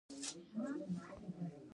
زما ملګری خوشحاله دهاو خاندي